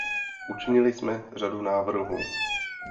Učinili jsme řadu návrhů.